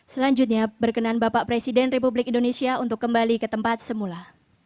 selanjutnya berkenan bapak presiden republik indonesia untuk kembali ke tempat semula